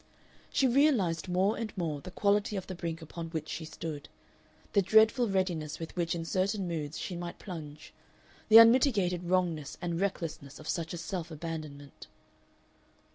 She realized more and more the quality of the brink upon which she stood the dreadful readiness with which in certain moods she might plunge, the unmitigated wrongness and recklessness of such a self abandonment.